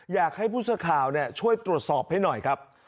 อยากให้ผู้สาขาวเนี่ยช่วยตรวจสอบให้หน่อยครับ